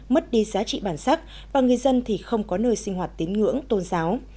mất đi giá trị bản sắc và người dân thì không có nơi sinh hoạt tín ngưỡng tôn giáo